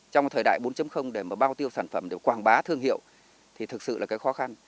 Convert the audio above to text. trong thời đại bốn để mà bao tiêu sản phẩm để quảng bá thương hiệu thì thực sự là cái khó khăn